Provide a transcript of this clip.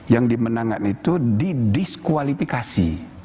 yang dimenangkan itu didiskualifikasi